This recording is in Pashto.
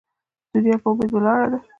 ـ دنيا په اميد ولاړه ده.